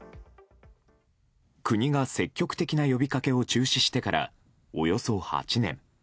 国が、積極的な呼びかけを中止してからおよそ８年。